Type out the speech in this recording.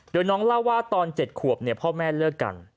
โดยน้องเล่าว่าตอน๗ขวบพ่อแม่เลิกกัน